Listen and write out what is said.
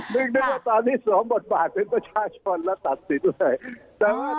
นึกเรื่องตอนนี้สรมบทบาทเป็นประชาชนละตัดสิทธิ์เลย